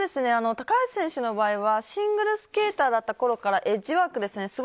高橋選手の場合はシングルスケーターだったころからエッジワークですね